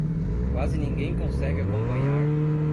Quase ninguém consegue acompanhar